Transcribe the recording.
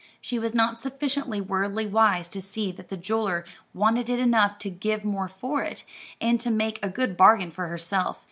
She was not sufficiently worldly wise to see that the jeweller wanted it enough to give more for it, and to make a good bargain for herself.